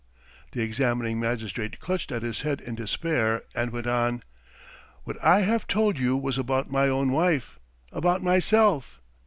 The examining magistrate clutched at his head in despair, and went on: "What I have told you was about my own wife, about myself.